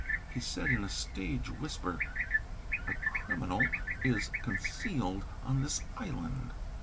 He said in a stage whisper: "A criminal is concealed on this island."